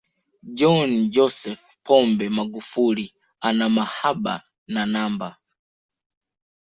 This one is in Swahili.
John Joseph Pombe Magufuli ana mahaba na namba